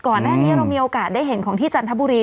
ก่อนหน้านี้เรามีโอกาสได้เห็นของที่จันทบุรี